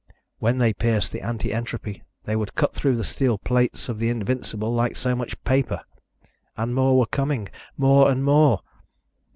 When they pierced the anti entropy, they would cut through the steel plates of the Invincible like so much paper! And more were coming. More and more!